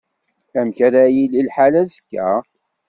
Amek ara yili lḥal azekka?